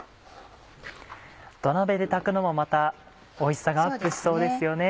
土鍋で炊くのもまたおいしさがアップしそうですよね。